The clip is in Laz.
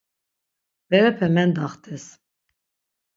Berepe mendaxtes.